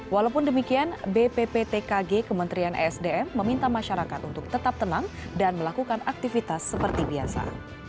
walaupun demikian bpptkg kementerian esdm meminta masyarakat untuk tetap tenang dan melakukan aktivitas seperti biasa